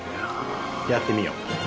やってみよう。